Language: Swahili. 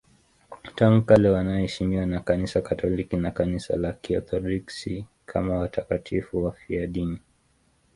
Tangu kale wanaheshimiwa na Kanisa Katoliki na Kanisa la Kiorthodoksi kama watakatifu wafiadini.